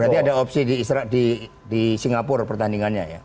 berarti ada opsi di singapura pertandingannya ya